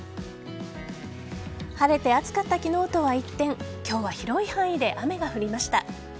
晴れて暑かった昨日とは一転今日は広い範囲で雨が降りました。